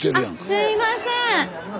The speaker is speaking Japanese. あすいません。